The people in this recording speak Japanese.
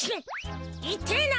いてえな！